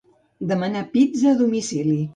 Demanar pizza a domicili.